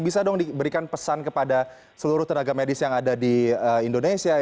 bisa dong diberikan pesan kepada seluruh tenaga medis yang ada di indonesia